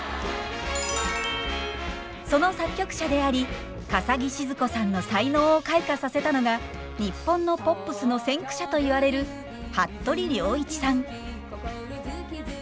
その作曲者であり笠置シヅ子さんの才能を開花させたのが日本のポップスの先駆者といわれる服部良一さん。